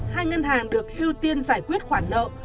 hai ngân hàng được ưu tiên giải quyết khoản nợ